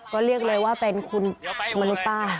ก็เรียกเลยว่าเป็นคุณมนุษย์ป้า